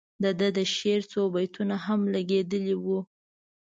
د ده د شعر څو بیتونه هم لګیدلي وو.